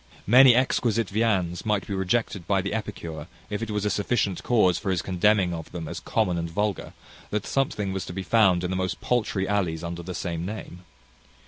Many exquisite viands might be rejected by the epicure, if it was a sufficient cause for his contemning of them as common and vulgar, that something was to be found in the most paltry alleys under the same name.